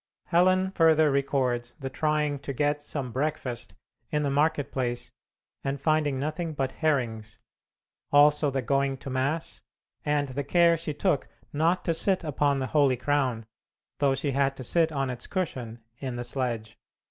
Helen further records the trying to get some breakfast in the market place and finding nothing but herrings, also the going to mass, and the care she took not to sit upon the holy crown, though she had to sit on its cushion in the sledge.